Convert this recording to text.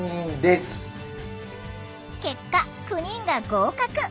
結果９人が合格。